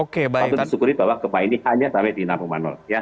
kita bersyukuri bahwa gempa ini hanya sampai di nampung manor